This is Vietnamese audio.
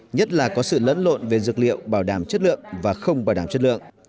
nhất là có sự lẫn lộn về dược liệu bảo đảm chất lượng và không bảo đảm chất lượng